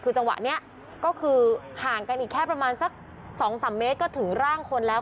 คือจังหวะนี้ก็คือห่างกันอีกแค่ประมาณสัก๒๓เมตรก็ถึงร่างคนแล้ว